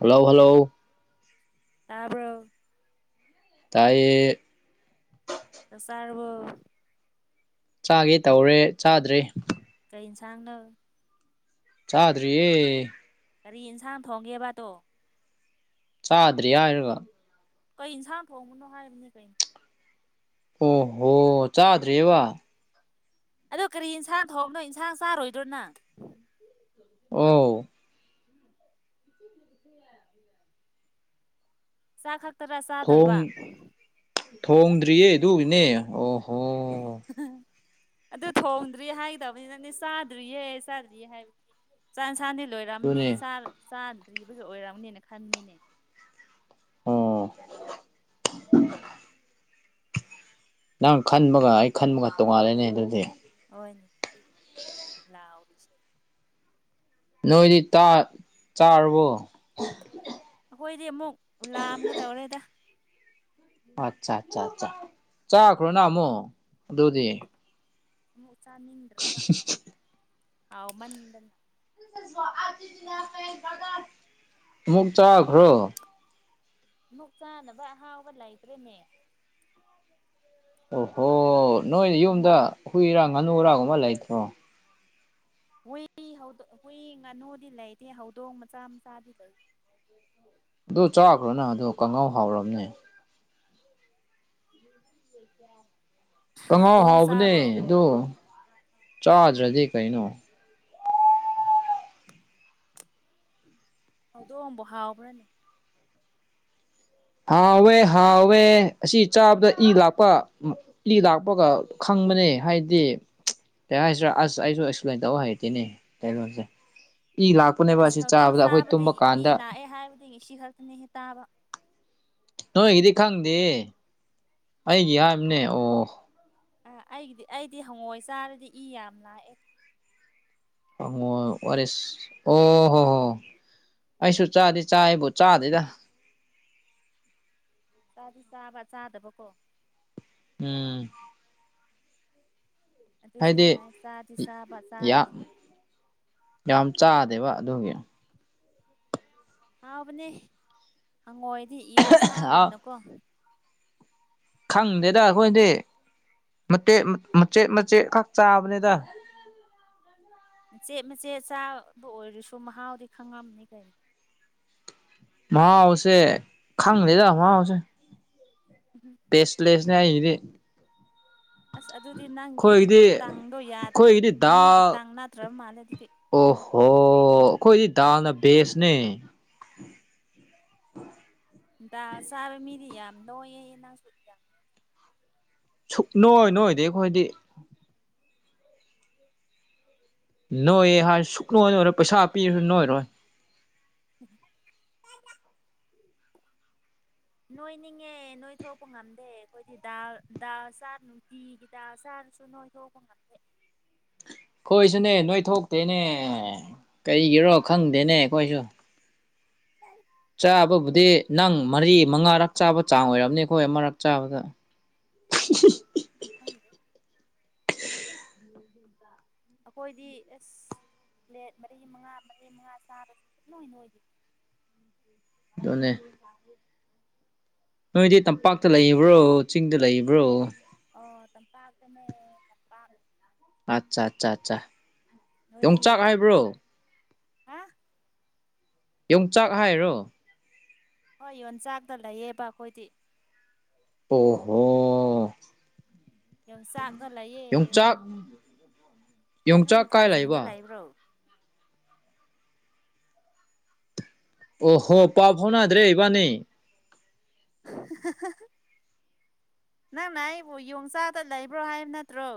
Hello hello ꯇꯥꯕꯣ ꯇꯥꯏꯌꯦ ꯁꯥꯥꯔꯕꯨ ꯆꯥꯒꯦ ꯇꯧꯔꯦ ꯆꯥꯗ꯭ꯔꯦ ꯀ ꯏꯟꯁꯥꯡꯅ ꯆꯥꯗ꯭ꯔꯤꯌꯦ ꯀꯔꯤ ꯌꯦꯟꯁꯥꯡ ꯊꯣꯡꯒꯦꯕꯇꯣ ꯆꯥꯗ꯭ꯔꯤ ꯍꯥꯏꯔꯒ ꯀꯩ ꯌꯦꯟꯁꯥꯡ ꯊꯣꯡꯕꯅꯣ ꯍꯥꯏꯕꯅꯤ ꯀꯩꯅꯣ ꯑꯣꯍꯣ ꯆꯥꯗ꯭ꯔꯦꯕ ꯑꯗꯨ ꯀꯔꯤ ꯌꯦꯟꯁꯥꯡ ꯊꯑꯅꯣ ꯏꯟꯁꯥꯡ ꯆꯥꯔꯣꯏꯗ꯭ꯔꯣꯅ ꯑꯣ ꯆꯥꯛ ꯈꯛꯇꯔ ꯊꯣꯡ ꯆꯥꯗꯣꯏꯕ ꯊꯣꯡꯗ꯭ꯔꯤꯌꯦ ꯑꯗꯨꯒꯤꯅꯦ ꯑꯣꯍꯣ ꯑꯗꯨ ꯊꯣꯡꯗ꯭ꯔꯤ ꯍꯥꯏꯒꯗꯕꯅꯤ ꯅꯪꯅꯦ ꯆꯥꯗ꯭ꯔꯤꯍꯦ ꯆꯥꯗ꯭ꯔꯤꯌꯦꯦ ꯍꯥꯏꯕꯅꯤ ꯆꯥꯛꯟꯁꯥꯗꯤ ꯂꯣꯏꯔꯝꯝꯅꯤ ꯑꯗꯨꯅꯦ ꯆꯥꯗ꯭ꯔꯤꯕꯒ ꯑꯣꯏꯔꯝꯅꯦꯅ ꯈꯟꯅꯤꯅꯦ ꯑꯣ ꯅꯪ ꯈꯟꯕꯒ ꯑꯩ ꯈꯟꯕꯒ ꯇꯣꯉꯥꯜꯂꯅꯦ ꯑꯗꯨꯗꯤ ꯍꯣꯏꯅꯦ ꯂꯥꯛꯏꯁꯦ ꯅꯣꯏꯗꯤ ꯆꯥꯔꯕꯣ ꯑꯩꯈꯣꯏꯗꯤ ꯑꯃꯨꯛ ꯂꯥꯑꯝꯒ ꯇꯧꯔꯦꯗ ꯑꯠꯆꯥ ꯑꯠꯆꯥ ꯑ ꯆꯥꯈ꯭ꯔꯣ ꯅ ꯑꯃꯨꯛ ꯑꯗꯨꯗꯤ ꯑꯃꯨꯛ ꯆꯥꯅꯤꯡꯗ꯭ꯔꯥꯕ ꯍꯥꯎꯃꯟꯗꯅ ꯃꯛ ꯆꯥꯛꯈ꯭ꯔꯣ ꯃꯨꯛ ꯆꯥꯅꯕ ꯑꯍꯥꯎꯕ ꯂꯩꯇ꯭ꯔꯦꯅꯦ ꯑꯣꯍꯣ ꯅꯣꯏꯅ ꯌꯨꯝꯗ ꯍꯨꯏꯔꯥ ꯉꯥꯅꯨꯨꯔꯥꯒꯨꯝꯕ ꯂꯩꯇ꯭ꯔꯣ ꯍꯨꯏ ꯍꯧ ꯍꯨꯏ ꯉꯥꯅꯨꯗꯤ ꯂꯩꯇꯦ ꯍꯧꯗꯣꯡ ꯃꯆꯥ ꯃꯆꯥꯗꯤ ꯂꯩꯇꯦ ꯑꯗꯨ ꯆꯥꯈ꯭ꯔꯣꯅ ꯑꯗꯨꯣ ꯀꯥꯡꯉꯧ ꯍꯥꯎꯔꯕꯅꯦ ꯊ ꯀ ꯇꯍꯥꯎ ꯍꯧꯗꯣꯡ ꯍꯥꯎꯕꯅꯦ ꯆꯥꯕ꯭ꯔꯣ ꯑꯗꯣ ꯆꯥꯗ꯭ꯔꯗꯤ ꯀꯩꯅꯣ ꯍꯧꯗꯣꯛꯑꯣꯡꯕ ꯍꯥꯎꯕ꯭ꯔꯅꯦ ꯍꯥꯎꯋꯦ ꯍꯥꯎꯥꯎꯋꯦ ꯑꯁꯤ ꯆꯥꯕꯗ ꯏ ꯂꯥꯛꯄ ꯏ ꯂꯥꯛꯄꯒ ꯈꯪꯕꯅꯦ ꯍꯥꯏꯗꯤ ꯀꯩ ꯍꯥꯏꯁꯤꯔꯥ ꯑꯁ ꯑꯩꯁꯨ ꯑꯦꯛꯁꯄ꯭ꯂꯦꯟ ꯇꯧ ꯍꯩꯇꯦꯅꯦ ꯀꯩꯅꯣꯁꯦ ꯏ ꯂ ꯑꯁ ꯍꯧꯧꯗꯣꯡ ꯆꯥꯕꯗꯤ ꯏ ꯂꯥꯛꯑꯦ ꯍꯥꯏꯕꯗꯤ ꯉꯁꯤ ꯈꯛꯇꯅꯤꯦ ꯇꯥꯕ ꯅꯣꯏꯒꯤꯗꯤ ꯈꯪꯗꯦ ꯑꯩꯒꯤ ꯍꯥꯏꯔꯤꯕꯅꯦ ꯑꯣ ꯑꯥ ꯑꯩꯒꯤꯗꯤ ꯑꯩꯗꯤ ꯍꯪꯉꯣꯏ ꯆꯥꯔꯗꯤ ꯏ ꯌꯥꯝ ꯂꯥꯛꯑꯦ ꯋꯥꯔꯤꯔꯁ ꯑꯣ ꯍꯣ ꯍꯣ ꯑꯩꯁꯨ ꯆꯥꯗꯤ ꯆꯥꯏꯕꯨ ꯆꯥꯗꯦꯗ ꯆꯥꯗꯤ ꯆꯥꯕ ꯆꯥꯗꯕ ꯀꯣ ꯎꯝ ꯑꯗꯨꯁꯨ ꯍꯥꯏꯗꯤ ꯌꯥꯏ ꯆꯥꯗꯤ ꯆꯥꯕ ꯌꯥꯝ ꯆꯥꯗꯦ ꯌꯥꯝ ꯆꯥꯗꯦꯕ ꯑꯗꯨꯒꯤ ꯍꯥꯎꯕꯅꯦ ꯍꯪꯉꯣꯏꯗꯤ ꯌꯦꯟ ꯁꯥꯒꯨꯝꯅꯀꯣ ꯈꯪꯗꯦꯗ ꯑꯩꯈꯣꯏꯗꯤ ꯃꯦꯠ ꯃꯆꯦꯠ ꯃꯆꯦꯠꯈꯛ ꯆꯥꯕꯅꯦꯗ ꯃꯆꯦꯠ ꯃꯆꯦꯠ ꯆꯥꯕ ꯑꯣꯏꯔꯁꯨ ꯃꯍꯥꯎꯗꯤ ꯈꯪꯉꯝꯅꯤ ꯀꯩꯅꯣ ꯃꯍꯥꯎꯁꯦ ꯈꯪꯗꯦꯗ ꯃꯍꯥꯎꯁꯦ ꯎꯝ ꯄꯦꯁꯂꯦꯁꯅꯦ ꯍꯥꯏꯁꯤꯗꯤ ꯑꯁ ꯑꯗꯨꯗꯤ ꯅꯪꯒꯤ ꯇꯪꯗꯣ ꯌꯥꯗ꯭ꯔꯦ ꯑꯩꯈꯣꯏꯒꯤꯗꯤ ꯃꯤꯒꯤ ꯗꯥꯜ ꯇꯪ ꯅꯠꯇ꯭ꯔ ꯃꯥꯜꯂꯦ ꯑꯗꯨꯗꯤ ꯑꯣꯍꯣ ꯑꯩꯈꯣꯏꯗꯤ ꯗꯥꯜꯅ ꯕꯦꯁꯅꯦ ꯗꯥꯜ ꯆꯥꯕ ꯃꯤꯗꯤ ꯌꯥꯝ ꯅꯣꯡꯌꯦꯌꯦ ꯅꯪꯁꯨ ꯌꯥꯝ ꯁꯨꯛ ꯅꯣꯏ ꯅꯣꯏꯗꯦ ꯑꯩꯈꯣꯏꯗꯤ ꯅꯣꯏꯌꯦ ꯍꯥꯏ ꯁꯨꯛꯅꯣꯏ ꯅꯣꯏꯔꯣꯏ ꯄꯩꯁꯥ ꯄꯤꯔꯁꯨ ꯅꯣꯏꯔꯣꯏ ꯎꯝ ꯅꯣꯏꯅꯤꯡꯉꯦ ꯅꯣꯏꯊꯣꯛꯄ ꯉꯝꯗꯦ ꯑꯩꯈꯣꯏꯗꯤ ꯗꯥꯜ ꯗꯥꯜ ꯆꯥ ꯅꯨꯡꯇꯤꯒꯤ ꯗꯥꯜ ꯆꯥꯔꯁꯨ ꯅꯣꯏ ꯂꯒꯨꯝ ꯈꯣꯏꯁꯨꯅꯦ ꯅꯣꯏꯊꯣꯛꯇꯦꯅꯦ ꯀꯔꯤꯒꯤꯔꯣ ꯈꯪꯗꯦꯅꯦ ꯑꯩꯈꯣꯏꯁꯨ ꯑꯝ ꯆꯥꯕꯕꯨꯗꯤ ꯅꯪ ꯃꯔꯤ ꯃꯉꯥꯔꯛ ꯆꯥꯕ ꯆꯥꯡ ꯑꯣꯏꯔꯝꯅꯤ ꯑꯩꯈꯣꯏ ꯑꯃꯔꯛ ꯆꯥꯕꯗ ꯈꯪꯗꯦ ꯑꯩꯈꯣꯏꯗꯤ ꯑꯦꯁ ꯄ꯭ꯂꯦꯠ ꯃꯔꯤ ꯃꯉꯥ ꯃꯔꯤ ꯃꯉꯥ ꯆꯥꯔꯁꯨ ꯁꯨꯛꯅꯣꯏ ꯅ ꯅꯣꯏꯗꯦ ꯗꯨꯅꯦ ꯅꯣꯏꯗꯤ ꯇꯝꯄꯥꯛꯇ ꯂꯩꯕ꯭ꯔꯣ ꯆꯤꯡꯗ ꯂꯩꯕ꯭ꯔꯣ ꯑꯣ ꯇꯝꯄꯥꯛꯇꯅꯦ ꯇꯝꯄꯥꯛ ꯑꯠꯆꯥ ꯑꯠꯆꯥ ꯑꯠꯆꯥ ꯅꯣꯏꯗꯤ ꯌꯣꯡꯆꯥꯛ ꯍꯥꯏꯕ꯭ꯔꯣ ꯍꯥ ꯌꯣꯡꯆꯥꯛ ꯍꯥꯏꯔꯣ ꯍꯣꯏ ꯌꯣꯟꯆꯥꯛꯇ ꯂꯩꯌꯦꯕ ꯑꯩꯈꯣꯏꯗꯤ ꯑꯣꯍꯣ ꯌꯣꯡꯆꯥꯛꯇꯣ ꯂꯩꯌꯦ ꯑ ꯅꯣꯏꯅ ꯊꯥꯡꯖꯤꯡꯗ ꯂꯩꯕ꯭ꯔꯣ ꯑꯣ ꯍꯣ ꯄꯥꯎ ꯐꯥꯎꯅꯗ꯭ꯔꯦ ꯏꯕꯥꯅꯤ [unintelligible] ꯅꯪꯅ ꯑꯩꯕꯨ ꯌꯣꯡꯆꯥꯛꯗ ꯂꯩꯕ꯭ꯔꯣ ꯍꯥꯏꯕ ꯅꯠꯇ꯭ꯔꯣ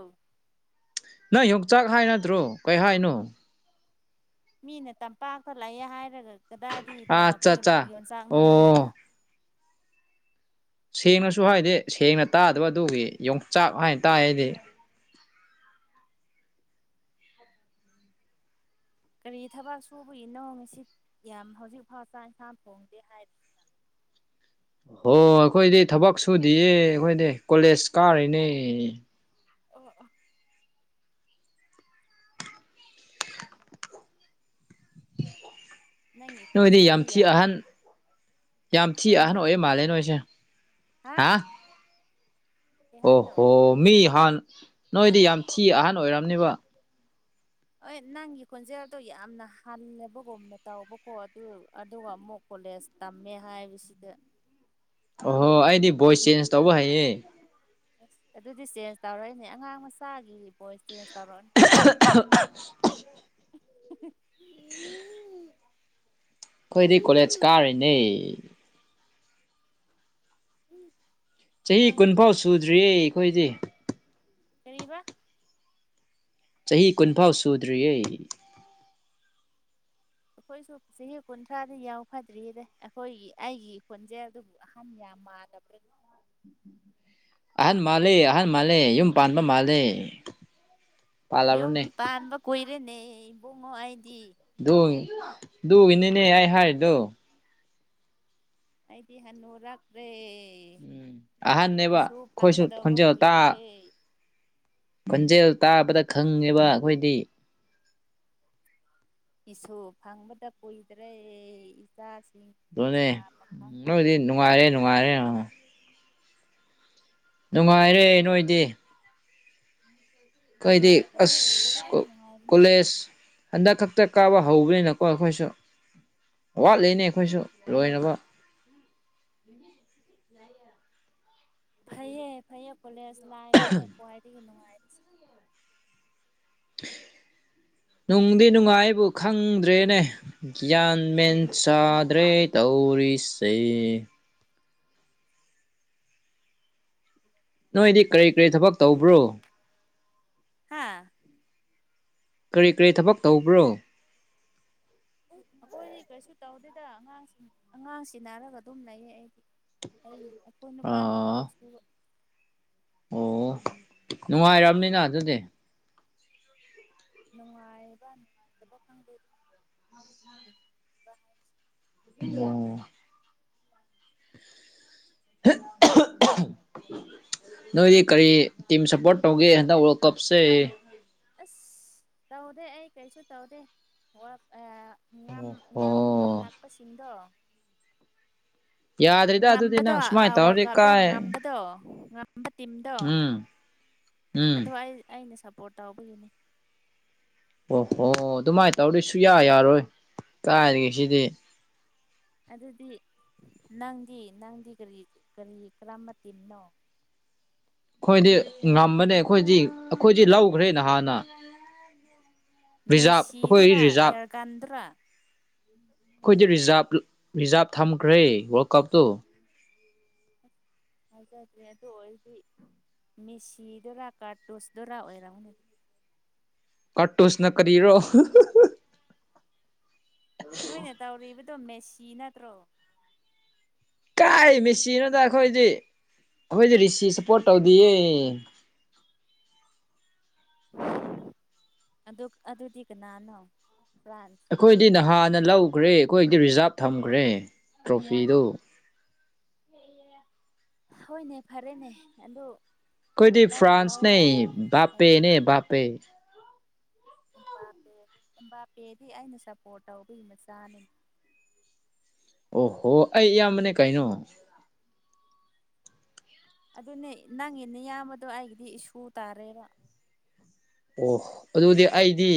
ꯅꯪ ꯌꯣꯡꯆꯥꯛ ꯍꯥꯏ ꯅꯠꯇ꯭ꯔꯣ ꯀꯩ ꯍꯥꯏꯅꯣ ꯃꯤꯅ ꯇꯝꯄꯥꯛꯇ ꯂꯥꯛꯑꯦ ꯍꯥꯏꯔꯒ ꯀꯗꯥꯏꯗ ꯂꯥꯛꯄ ꯑꯠꯆꯥ ꯑꯠꯆꯥ ꯌꯣꯟꯆꯥꯛꯅꯣ ꯅꯪꯒꯤꯅ ꯑꯣ ꯁꯦꯡꯅꯁꯨ ꯍꯥꯏꯗꯦ ꯁꯦꯡꯅ ꯇꯥꯗꯕ ꯑꯗꯨꯒꯤ ꯌꯣꯡꯆꯥꯛ ꯍꯥꯏꯅ ꯇꯥꯏꯗꯤ ꯀꯔꯤ ꯊꯕꯛ ꯁꯨꯕꯒꯤꯅꯣ ꯉꯁꯤ ꯌꯥꯝ ꯍꯧꯖꯤꯛꯐꯥꯎ ꯆꯥꯛ ꯏꯟꯁꯥꯡ ꯊꯣꯡꯗꯦ ꯍꯥꯏꯞ ꯑꯣ ꯑꯩꯈꯣꯏꯗꯤ ꯊꯕꯛ ꯁꯨꯗꯤꯌꯦ ꯑꯩꯈꯣꯏꯗꯤ ꯀꯣꯂꯦꯖ ꯀꯔꯤꯅꯦ꯫ ꯑꯥ ꯑꯥ [inaudible] ꯅꯪꯒꯤ ꯅꯣꯏꯗꯤ ꯈꯣꯟꯖꯦꯜꯗꯤ ꯊꯤ ꯌꯥꯝ ꯑꯍꯟ ꯌꯥꯝ ꯊꯤ ꯑꯍꯟ ꯑꯣꯏꯌꯦ ꯃꯥꯜꯂꯦ ꯅꯣꯏꯁꯦ ꯍꯥ ꯀꯩ ꯑꯣ ꯍꯥꯏꯅꯣ ꯍꯣ ꯃꯤ ꯍꯥꯟ ꯅꯣꯏꯗꯤ ꯌꯥꯝ ꯊꯤ ꯑꯍꯟ ꯑꯣꯏꯔꯝꯅꯤꯕ ꯍ ꯅꯪꯒꯤ ꯈꯣꯟꯖꯦꯜꯗꯣ ꯌꯥꯝꯅ ꯍꯟꯅꯕꯒꯨꯝꯅ ꯇꯥꯎꯕꯀꯣ ꯑꯗꯨ ꯑꯗꯨꯒ ꯑꯃꯨꯛ ꯀꯣꯂꯦꯖ ꯇꯝꯃꯦ ꯍꯥꯏꯕꯁꯤꯗ ꯑꯣꯍꯣ ꯑꯩꯗꯤ ꯚꯣꯏꯁ ꯆꯦꯟꯖ ꯇꯧꯕ ꯍꯩꯌꯦ ꯑꯁ ꯑꯗꯨꯗꯤ ꯆꯦꯟꯖ ꯇꯧꯔꯛꯑꯣꯅꯦ ꯑꯉꯥꯡ ꯃꯆꯥꯒꯤ ꯚꯣꯏꯁ ꯆꯦꯟꯖ ꯇꯧꯔꯛꯑꯣꯅꯦ ꯑꯗꯨ ꯑꯗꯨ ꯑꯩꯈꯣꯏꯗꯤ ꯀꯣꯂꯦꯖ ꯀꯥꯔꯤꯅꯦ ꯆꯍꯤ ꯅꯣꯏꯒꯤ ꯀꯨꯟꯐꯥꯎ ꯁꯨꯗ꯭ꯔꯤꯌꯦ ꯑꯩꯈꯣꯏꯗꯤ ꯀꯔꯤꯕ ꯆꯍꯤ ꯀꯨꯟꯐꯥꯎ ꯁꯨꯗ꯭ꯔꯤꯌꯦ ꯑꯩꯈꯣꯏꯁꯨ ꯆꯍꯤ ꯀꯨꯟꯊ꯭ꯔꯥꯗꯤ ꯌꯧꯐꯥꯠꯗ꯭ꯔꯤꯗ ꯑꯩꯈꯣꯏꯒꯤ ꯑꯩꯒꯤ ꯈꯣꯟꯖꯦꯜꯗꯨꯕꯨ ꯑꯍꯟ ꯌꯥꯝ ꯃꯥꯗꯕ꯭ꯔ ꯑꯍꯟ ꯃꯥꯜꯂꯦ ꯑꯍꯟ ꯃꯥꯜꯂꯦ ꯌꯨꯝ ꯄꯥꯟꯕ ꯃꯥꯜꯂꯦ ꯌꯨꯝ ꯄꯥꯜꯂꯕ꯭ꯔꯅꯦ ꯄꯥꯟꯕ ꯀꯨꯏꯔꯦꯅꯦ ꯏꯕꯨꯡꯉꯣ ꯑꯩꯗꯤ ꯗꯨ ꯗꯨꯒꯤꯅꯤꯅꯦ ꯑꯩ ꯍꯥꯏꯗꯨ ꯑꯩꯗꯤ ꯍꯥꯟꯅꯨꯔꯛꯂꯦ ꯎꯝ ꯑꯍꯟꯅꯦꯕ ꯏꯁꯨ ꯑꯩꯈꯣꯏꯁꯨ ꯐꯪꯒꯗꯕ ꯈꯣꯟꯖꯦꯜ ꯇꯥ ꯀꯨꯏꯗ꯭ꯔꯦ ꯈꯣꯟꯖꯦꯜ ꯇꯥꯕꯗ ꯈꯪꯉꯦꯕ ꯑꯩꯈꯣꯏꯗꯤ ꯏꯁꯨ ꯐꯪꯕꯗ ꯀꯨꯏꯗ꯭ꯔꯦ ꯏꯆꯥꯁꯤꯡ ꯑꯗꯨꯣꯅꯦ ꯂꯩꯁꯥ ꯄꯥꯈꯪꯗꯣ ꯅꯗꯤ ꯅꯨꯡꯉꯥꯏꯔꯦ ꯅꯨꯡꯉꯥꯏꯔꯦ ꯅꯨꯡꯉꯥꯏꯔꯦ ꯅꯣꯏꯗꯤ ꯀꯣꯏꯗꯤ ꯅꯨꯡꯉꯥꯏꯇꯦ ꯑꯁ ꯀꯗꯥꯏꯗ ꯅꯨꯡꯉꯥꯏꯕꯅꯣ ꯀꯣꯂꯦꯖ ꯍꯟꯗꯛ ꯈꯛꯇ ꯀꯥꯕ ꯍꯧꯕꯅꯤꯅꯀꯣ ꯑꯩꯈꯣꯏꯁꯨ ꯋꯥꯠꯂꯤꯅꯦ ꯑꯩꯈꯣꯏꯁꯨ ꯂꯣꯏꯅꯕ ꯐꯩꯑꯌꯦ ꯐꯩꯌꯦ ꯀꯣꯂꯦꯖ ꯂꯥꯏꯐꯅꯦ ꯈ꯭ꯋꯥꯏꯗꯒꯤ ꯅꯨꯡꯉꯥꯏꯖꯦ [unintelligible] ꯅꯨꯡꯗꯤ ꯅꯨꯡꯉꯥꯏꯕꯨ ꯈꯪꯗ꯭ꯔꯦꯅꯦ ꯒ꯭ꯌꯥꯟ ꯃꯦꯟ ꯆꯥꯗ꯭ꯔꯦ ꯇꯧꯔꯤꯁꯦ ꯅꯣꯏꯗꯤ ꯀꯔꯤ ꯀꯔꯤ ꯊꯕꯛ ꯇꯧꯕ꯭ꯔꯣ ꯍꯥꯥ ꯀꯔꯤ ꯀꯔꯤ ꯊꯕꯛ ꯇꯧꯕ꯭ꯔꯣ ꯎ ꯑꯩꯈꯣꯏ ꯔꯤꯀ꯭ꯋꯦꯁꯁꯨ ꯇꯧꯗꯣꯏꯗ ꯑꯉꯥꯡꯁꯤꯡ ꯑꯉꯥꯡꯁꯤ ꯅꯥꯔꯒ ꯑꯗꯨꯝ ꯂꯩꯌꯦ ꯑꯩꯗꯤ ꯑ ꯑꯩꯈꯣꯏ ꯅꯨꯄꯥꯅ ꯑꯥ ꯊꯕꯛꯁꯨ ꯑꯣ ꯅꯨꯡꯉꯥꯏꯝꯅꯤꯅ ꯑꯗꯨꯗꯤ ꯅꯨꯡꯉꯥꯏꯕ ꯅꯨꯡꯉꯥꯏꯇꯕ ꯐꯪꯗꯣꯏꯔꯤ ꯑꯣ [inaudible] ꯅꯣꯏꯗꯤ ꯀꯔꯤ ꯇꯤꯝ ꯁꯞꯄꯣꯔꯠ ꯇꯧꯒꯦ ꯍꯟꯗꯛ ꯋꯥꯔꯜ ꯀꯞꯁꯦ ꯑꯁ ꯇꯧꯗꯦ ꯑꯩ ꯀꯩꯁꯨ ꯇꯧꯗꯦ ꯝ ꯑꯣ ꯉꯝꯂꯥꯛꯄꯁꯤꯡꯗꯣ ꯌꯥꯗ꯭ꯔꯦꯗ ꯑꯗꯨꯗꯤ ꯉꯝꯕꯗꯣ ꯅꯪ ꯁꯨꯃꯥꯏꯅ ꯋꯥꯔꯜ ꯇꯧꯔꯗꯤ ꯀꯞꯇ ꯀꯥꯏ ꯉꯝꯕꯗꯣ ꯉꯝꯕ ꯇꯤꯝꯗꯣ ꯎꯝ ꯎꯝ ꯑꯗꯣ ꯑꯩ ꯑꯩꯅ ꯁꯞꯄꯣꯔꯠ ꯇꯧꯕꯒꯤꯅꯤ ꯑꯣ ꯍꯣ ꯑꯗꯨꯃꯥꯏꯅ ꯇꯧꯔꯗꯤ ꯁꯨꯡꯌꯥ ꯌꯥꯔꯣꯏ ꯀꯥꯏꯒꯁꯤꯗꯤ ꯑꯗꯨꯗꯤ ꯅꯪꯗꯤ ꯅꯪꯗꯤꯔꯤ ꯀꯔꯤ ꯀꯔ ꯃꯇꯤꯅꯣ ꯑꯩꯈꯣꯏꯗꯤ ꯉꯝꯕꯅꯦ ꯑꯩꯈꯣꯏꯗꯤ ꯑꯩꯈꯣꯏꯗꯤ ꯂꯧꯈ꯭ꯔꯦꯅ ꯍꯥꯟꯅ ꯔꯤꯖꯥꯚ ꯑꯩꯈꯣꯏ ꯔꯤꯖꯥꯚ ꯀꯟꯗ꯭ꯔꯥ ꯑꯩꯈꯣꯏꯗꯤ ꯔꯤꯖꯥ ꯔꯤꯖꯥꯕ ꯊꯝꯈ꯭ꯔꯦ ꯋꯥꯔꯜ ꯀꯞꯇꯣ ꯍꯥꯏꯖꯗ꯭ꯔꯦ ꯑꯗꯨ ꯑꯣꯏꯔꯗꯤ ꯃꯦꯁꯤꯗꯣꯔꯥ ꯀꯥꯔꯇꯣꯁꯇꯣꯔꯥ ꯑꯣꯏꯔꯝꯅꯦ ꯀ ꯇꯨꯁꯅ ꯀꯔꯤꯔꯣ ꯅꯣꯏꯅ ꯇꯧꯔꯤꯕꯗꯣ ꯃꯦꯁꯤ ꯅꯠꯇ꯭ꯔꯣ ꯀꯥꯏ ꯃꯦꯁꯤꯅꯗ ꯑꯩꯈꯣꯏꯗꯤ ꯑꯩꯈꯣꯏꯗꯤ ꯔꯤꯁꯤ ꯁꯞꯄꯣꯔꯠ ꯇꯧꯗꯌꯦ ꯑꯗꯨ ꯑꯗꯨꯗꯤ ꯀꯅꯥꯅꯣ ꯐ꯭ꯔꯥꯟ ꯑꯩꯈꯣꯏꯗꯤ ꯅꯍꯥꯟꯅ ꯂꯧꯈ꯭ꯔꯦ ꯑꯩꯈꯣꯏꯗꯤ ꯔꯤꯖꯥꯕ ꯊꯝꯈ꯭ꯔꯦ ꯇ꯭ꯔꯣꯐꯤꯗꯨ ꯍꯣꯏꯅꯦ ꯐꯔꯦꯅꯦ ꯑꯗꯣ ꯀꯣꯏꯗꯤ ꯐ꯭ꯔꯥꯟꯁꯅꯦ ꯐꯩ ꯕꯥꯄꯦꯅꯦ ꯕꯥꯄꯦ ꯏꯄ ꯏꯕꯥꯄꯦꯗꯤ ꯑꯩꯅ ꯁꯞꯄꯣꯔꯠ ꯇꯧꯕꯒꯤ ꯃꯆꯥꯅꯤ ꯑꯣꯍꯣ ꯑꯩ ꯏꯌꯥꯝꯕꯅꯦ ꯀꯩꯅꯣ ꯑꯗꯨꯅꯦ ꯅꯪ ꯏꯅꯦ ꯌꯥꯝꯕꯗꯣ ꯑꯩꯒꯤꯗꯤ ꯏꯁꯨ ꯇꯥꯔꯦꯕ ꯑꯣ ꯑꯗꯨꯗꯤ ꯑꯩꯗꯤ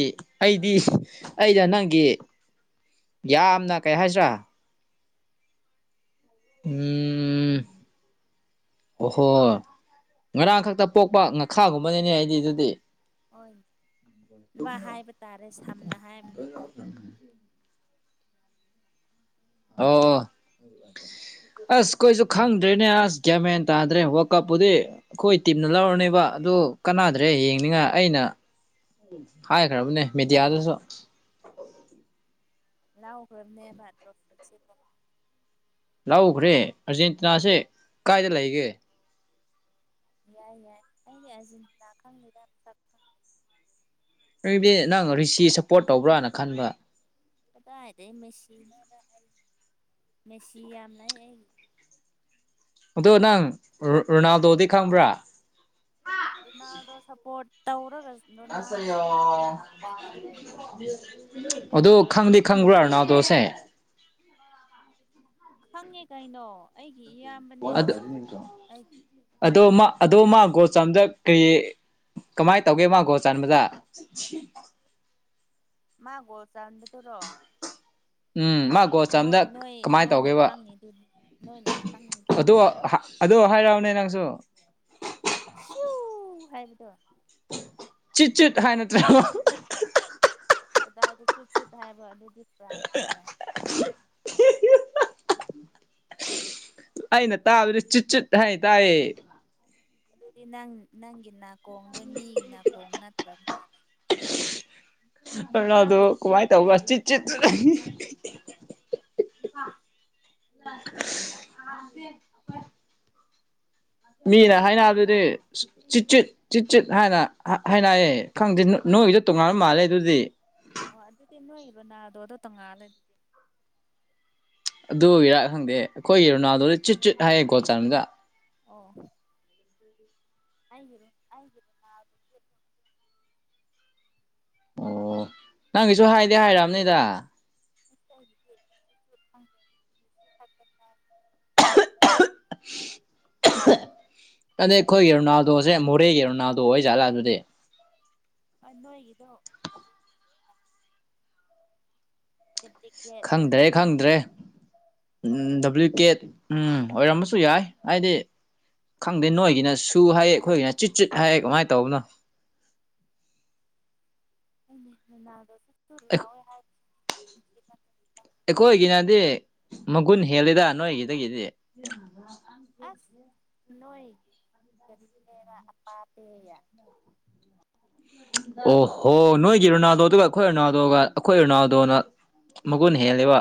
ꯑꯩꯗꯤ ꯑꯩꯗ ꯅꯪꯒꯤ ꯌꯥꯝꯅ ꯀꯩ ꯍꯥꯏꯁꯤ꯭ꯔꯥ ꯎꯝ ꯑꯣꯍꯣ ꯉꯔꯥꯡ ꯈꯛꯇ ꯄꯣꯛꯄ ꯉꯥꯈꯥꯒꯨꯝꯕꯅꯅꯦ ꯑꯩꯗꯤ ꯑꯗꯨꯗꯤ ꯍꯣꯏꯅꯦ ꯑꯗꯨꯃ ꯍꯥꯏꯕ ꯇꯥꯔꯦ ꯁꯝꯅ ꯍꯥꯏꯕꯗꯣꯀꯣ ꯑꯣ ꯑꯣ ꯑꯁ ꯀꯣꯏꯁꯨ ꯈꯪꯗ꯭ꯔꯦꯅꯦ ꯑꯁ ꯒꯌꯥꯃꯦꯟ ꯇꯥꯗ꯭ꯔꯦ ꯋꯥꯔꯜ ꯀꯞꯄꯨꯗꯤ ꯑꯩꯈꯣꯏ ꯇꯤꯝꯅ ꯂꯧꯔꯅꯦꯕ ꯑꯗꯣ ꯀꯅꯥꯗ꯭ꯔꯦ ꯌꯦꯡꯅꯤꯡꯉꯥꯏ ꯑꯩꯅ ꯍꯥꯏꯈ꯭ꯔꯕꯅꯦ ꯃꯦꯗꯤꯌꯥꯗꯁꯨ ꯂꯥꯎ ꯍꯔꯅꯦꯕꯚꯗ꯭ꯔꯣ ꯐꯟꯁꯤꯀꯣ [unintelligible] ꯂꯧꯈ꯭ꯔꯦ ꯑꯔꯖꯦꯟꯇꯤꯅꯥꯁꯦ ꯀꯥꯏꯗ ꯂꯩꯒꯦ ꯌꯥꯏ ꯌꯥꯏ ꯑꯩꯗꯤ ꯑꯥꯔꯖꯦꯟꯇꯤꯅꯥ ꯈꯪꯉꯦꯗ ꯑꯩꯗꯤ ꯅꯪ ꯔꯤꯁꯤ ꯁꯞꯄꯣꯠ ꯇꯧꯕ꯭ꯔꯥꯅ ꯈꯟꯕ ꯀꯗꯥꯏꯗꯩ ꯃꯦꯁꯤꯅꫭꯗ ꯑꯩ ꯃꯦꯁꯤ ꯌꯥꯝ ꯂꯩ ꯑꯩꯒꯤ ꯑꯗꯣ ꯅꯪ ꯔꫭ ꯔꯣꯅꯥꯜꯗꯣꯗꯤ ꯈꯪꯕ꯭ꯔꯥ ꯂꯣꯅꯥꯜꯗꯣ ꯁꯞꯄꯣꯔꯠ ꯇꯧꯔꯒ ꯂꯣꯅꯥꯜꯗꯣꯗꯤ ꯅꯍꯥꯟꯗꯒꯤ ꯁꯤꯈ꯭ꯔꯦꯅꯦ ꯑꯗꯨ ꯈꯪꯗꯤ ꯈꯪꯕ꯭ꯔꯥ ꯔꫭꯅꯥꯜꯗꯣꯁꯦ ꯈꯪꯉꯦ ꯀꯩꯅꯣ ꯑꯩꯒꯤ ꯏꯌꯥꯝꯕꯅꯦ ꯑꯗꯨ ꯑꯗꯨꯁꯨ ꯑꯩꯒꯤ ꯑꯗꯣ ꯃꯥ ꯑꯗꯣ ꯃꯥ ꯒꯣꯜ ꯆꯟꯕꯗ ꯀꯩ ꯀꯃꯥꯏ ꯇꯧꯒꯦ ꯃꯥꯒꫭꯜ ꯆꯟꯕꯗꯥ ꯃꯥ ꯒꯣꯜ ꯆꯟꯕꯗꯨꯔꯣ ꯎꯝ ꯃꯥ ꯒꯣꯜ ꯅꯣꯏ ꯆꯟꯕꯗ ꯅꯣꯏ ꯀꯃꯥꯏ ꯅꯣꯏꯅ ꯇꯧꯒꯦꯕ ꯈꯪꯉꯤꯗꯨꯅꯤ ꯅꯣꯏꯅ ꯈꯪꯉꯤꯗꯨ ꯑꯗꯣ ꯑꯗꯨ ꯍꯥꯏꯔꯧꯅꯦ ꯅꯪꯁꯨ ꯁꯨ ꯍꯥꯏꯕꯗꯣ ꯆꯨꯠ ꯆꯨꯠ ꯍꯥꯏ ꯅꯠꯇ꯭ꯔꯕ ꯗꯥꯏꯗ ꯆꯨꯠꯆꯨꯠ ꯍꯥꯏꯕ ꯑꯗꯨꯗꯤ ꯄ꯭ꯔꯥꯏ ꯑꯣꯏꯔ ꯑꯩꯅ ꯇꯥꯕꯗꯤ ꯆꯨꯠ ꯆꯨꯠ ꯍꯥꯏ ꯇꯥꯏꯌꯦ ꯑꯗꯨꯗꯤ ꯅꯪ ꯅꯪꯒꯤ ꯅꯥꯀꯣꯡꯗꯣ ꯃꯤꯒꯤ ꯅꯥꯀꯣꯡ ꯅꯠꯇ꯭ꯔꯕ ꯃꯥꯥꯜꯂꯦ ꯔꫭꯅꯥꯜꯗꯣ ꯀꯃꯥꯏ ꯇꯧꯕ ꯆꯨꯠ ꯆꯨꯠ [unintelligible] [unintelligible] ꯃꯤꯅ ꯔꯣꯅꯥ ꯍꯥꯏꯅꯕꯗꯗꯤ ꯆꯨꯠꯆꯨꯠ ꯆꯨꯠꯆꯨꯠ ꯍꯥꯏꯅ ꯍꯥꯏꯅꯩꯌꯦ ꯈꯪꯗꯦ ꯅꯣꯏꯒꯤꯗꫭ ꯇꯣꯉꯥꯟꯕ ꯃꯥꯜꯂꯦ ꯑꯗꯨꯗꯤ ꯑꯣ ꯑꯗꯨꯗꯤ ꯅꯣꯏ ꯔꫭꯅꯥꯜꯗꯣꯗꯣ ꯇꯣꯡꯉꯥꯜꯂꯦ ꯑꯗꯨꯒꯤꯔꯥ ꯈꯪꯗꯦ ꯑꯩꯈꯣꯏꯒꯤ ꯔꫭꯅꯥꯜꯗꯣꯗ ꯆꯨꯠ ꯆꯨꯠ ꯍꯥꯏꯌꯦ ꯒꫭꯜ ꯆꯟꯕꯗ ꯑꯣ [inaudible] ꯍꯥꯏꯔꯣ ꯍꯥꯏꯔꯣ ꯅ [unintelligible] ꯑꯣ ꯅꯪꯒꯤꯁꯨ ꯍꯥꯏꯗꯤ ꯍꯥꯏꯔꯝꯅꯤꯗ [unintelligible] ꯑꯍꯨ ꯑꯗꯤ ꯑꯩꯈꯣꯏꯒꯤ ꯔꯣꯅꯥꯜꯗꯣꯁꯦ ꯃꯣꯔꯦꯒꯤ ꯔꯣꯅꯥꯜꯗꯣ ꯑꯣꯏꯖꯥꯠꯂ ꯑꯗꯨꯗꯤ ꯑ ꯅꯣꯏꯒꯤꯗꫭ ꯗꯨꯄ꯭ꯂꯤꯀꯦꯠ ꯈꯪꯗ꯭ꯔꯦ ꯑꯣꯏꯔꯝꯒꯅꯤꯕ ꯈꯪꯗ꯭ꯔꯦ ꯎꯝ ꯗꯨꯞꯕ꯭ꯂꯤ ꯀꯦꯠ ꯎꯝ ꯑꯣꯏꯔꯝꯃꯁꯨ ꯌꯥꯏ ꯍꯥꯏꯗꯤ ꯈꯪꯗꯦ ꯅꯣꯏꯒꯤꯅ ꯁꯨ ꯍꯥꯏꯌꯦ ꯑꯦ ꯑꯩꯈꯣꯏꯒꯤꯅ ꯆꯨ ꯆꯨꯠ ꯍꯥꯏꯌꯦ ꯀꯃꯥꯏ ꯇꯧꯕꯅꯣ ꯑꯩꯅꯦ ꯔꫭꯅꯥꯜꯗꫭ ꯆꯨꯠ ꯆꯨꯠ ꯂꯥꯎꯋꯦ ꯍꯥꯏ ꯑꯩꯈꯣꯏꯒꯤꯅꯗꯤ ꯃꯒꯨꯟ ꯍꯦꯜꯂꯤꯗ ꯅꯣꯏꯒꯤꯗꯒꯤꯗꯤ ꯑꯣ [unintelligible] ꯑꯁ ꯅꯣꯏꯒꯤ ꯀꯔꯤ ꯂꯦꯔꯥ ꯑꯄꯥꯄꯦꯌꯦ ꯑꯣꯍꯣ ꯅꯣꯏꯒꯤ ꯔꯣꯅꯥꯜꯗꯣꯗꯨꯒ ꯑꯩꯈꯣꯏ ꯔꯣꯅꯥꯜꯗꯣꯒ ꯑꯩꯈꯣꯏ ꯔꯣꯅꯥꯜꯗꯣꯅ ꯃꯒꯨꯟ ꯍꯦꯜꯂꯦꯕ